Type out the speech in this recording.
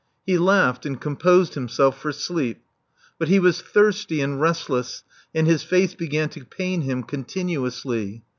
He laughed, and composed himself for sleep. But he was thirsty and restless, and his face began to pain him continuously.